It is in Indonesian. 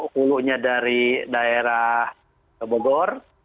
kukunya dari daerah bogor